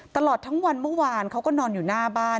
ตลอดทั้งวันเมื่อวานเขาก็นอนอยู่หน้าบ้าน